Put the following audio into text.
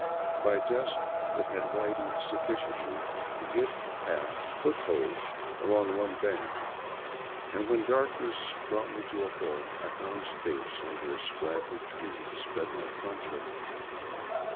By dusk it had widened sufficiently to give the path foothold 223 VAGABONDING DOWN THE ANDES along one bank, and when darkness brought me to a halt, I found space under a scraggly tree to spread my poncho.